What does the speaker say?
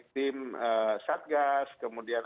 tim satgas kemudian